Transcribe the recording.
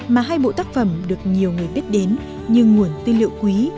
mà hai bộ tác phẩm được nhiều người biết đến như nguồn tư liệu quý